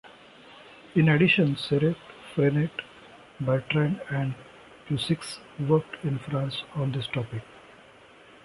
In addition Serret, Frenet, Bertrand and Puiseux worked in France on this topic.